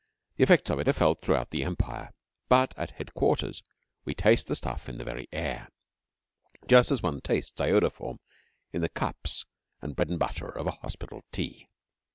The effects of it are felt throughout the Empire, but at headquarters we taste the stuff in the very air, just as one tastes iodoform in the cups and bread and butter of a hospital tea.